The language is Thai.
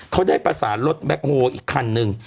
เขาได้ประสานรถแบ็คโฮอีกคันนึง